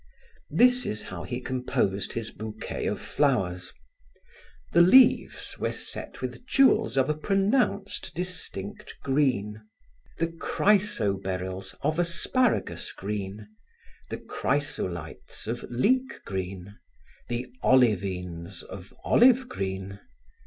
This is how he composed his bouquet of flowers: the leaves were set with jewels of a pronounced, distinct green; the chrysoberyls of asparagus green; the chrysolites of leek green; the olivines of olive green.